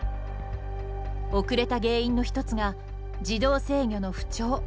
遅れた原因の１つが自動制御の不調。